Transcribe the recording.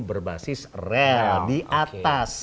berbasis rl di atas